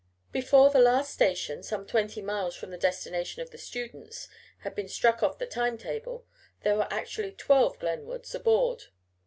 Before the last station some twenty miles from the destination of the students had been struck off the time table, there were actually twelve "Glenwoods," aboard.